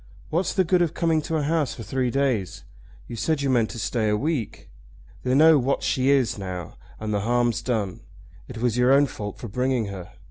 "What's the good of coming to a house for three days? You said you meant to stay a week. They know what she is now, and the harm's done. It was your own fault for bringing her.